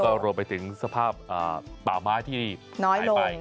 แล้วก็ลงไปถึงสภาพปลาวไม้ที่น้อยลง